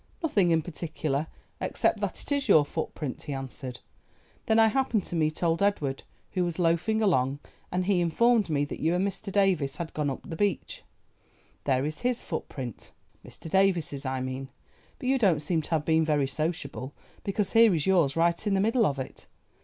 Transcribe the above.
"Nothing in particular, except that it is your footprint," he answered. "Then I happened to meet old Edward, who was loafing along, and he informed me that you and Mr. Davies had gone up the beach; there is his footprint—Mr. Davies's, I mean—but you don't seem to have been very sociable, because here is yours right in the middle of it.